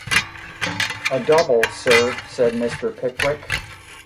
‘A double, sir,’ said Mr. Pickwick.